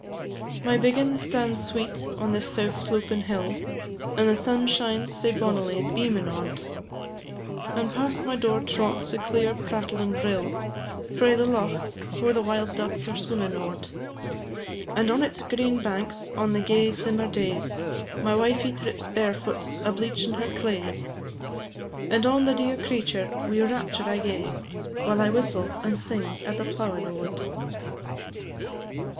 My biggin' stands sweet on this south slopin' hill, And the sun shines sae bonnily beamin' on 't, And past my door trots a clear prattlin' rill, Frae the loch, whare the wild ducks are swimmin' o't; And on its green banks, on the gay simmer days, My wifie trips barefoot, a bleachin' her claes, And on the dear creature wi' rapture I gaze, While I whistle and sing at the plowin' o't.